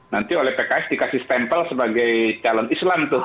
nanti oleh pks dikasih stempel sebagai calon islam tuh